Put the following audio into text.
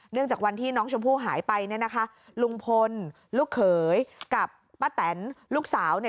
จากวันที่น้องชมพู่หายไปเนี่ยนะคะลุงพลลูกเขยกับป้าแตนลูกสาวเนี่ย